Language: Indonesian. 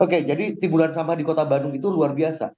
oke jadi timbulan sampah di kota bandung itu luar biasa